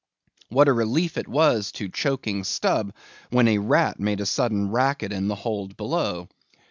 What a relief it was to choking Stubb, when a rat made a sudden racket in the hold below.